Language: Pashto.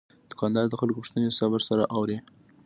دوکاندار د خلکو پوښتنې صبر سره اوري.